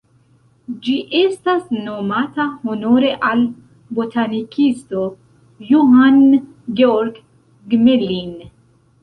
Ĝi estas nomata honore al botanikisto Johann Georg Gmelin.